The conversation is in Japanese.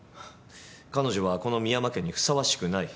彼女はこの深山家にふさわしくない。